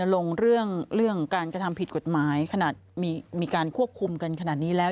ลงเรื่องการกระทำผิดกฎหมายขนาดมีการควบคุมกันขนาดนี้แล้ว